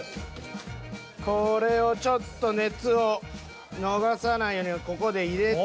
これをちょっと熱を逃さないようにここで入れて。